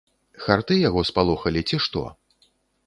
Харты яго спалохалі, ці што?